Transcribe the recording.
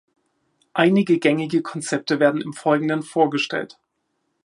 Einige gängige Konzepte werden im Folgenden vorgestellt.